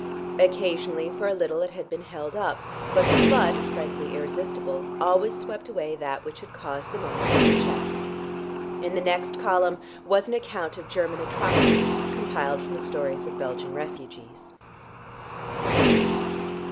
Occasionally for a little it had been held up, but the flood, frankly irresistible, always swept away that which had caused the momentary check.... In the next column was an account of German atrocities compiled from the stories of Belgian refugees.